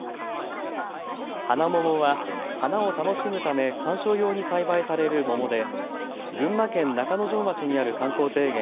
ハナモモは花を楽しむため観賞用に栽培される桃で群馬県中之条町にある観光庭園